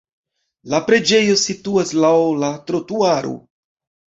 La preĝejo situas laŭ la trotuaro.